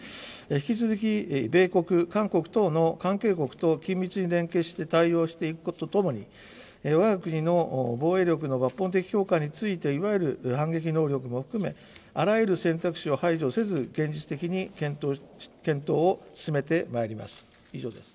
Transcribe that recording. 引き続き米国、韓国との関係国と緊密に連携して対応していくこととともに、わが国の防衛力の抜本的強化についていわゆる反撃能力も含め、あらゆる選択肢を排除せず、現実的に検討を進めてまいります。